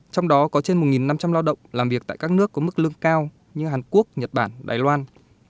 trong đó có trên một năm trăm linh lao động làm việc tại các nước có mức lương cao như hàn quốc nhật bản đài loan